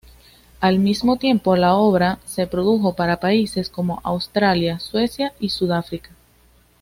Al mismo tiempo la obra se produjo para países como Australia, Suecia y Sudáfrica.